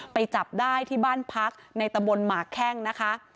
ไปจับได้ที่บ้านพักในตะบนหมากแข้งนะคะ